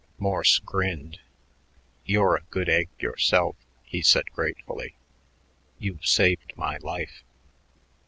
Morse grinned. "You're a good egg yourself," he said gratefully. "You've saved my life."